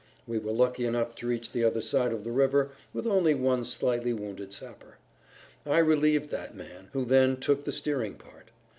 We were lucky enough to reach the other side of the river with only one slightly wounded sapper. I relieved that man, who then took the steering part.